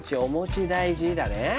おもち大事だね